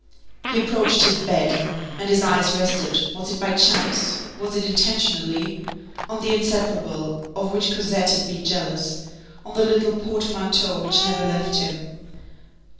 He approached his bed, and his eyes rested, was it by chance? was it intentionally? on the inseparable of which Cosette had been jealous, on the little portmanteau which never left him.